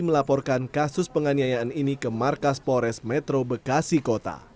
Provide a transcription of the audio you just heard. melaporkan kasus penganiayaan ini ke markas pores metro bekasi kota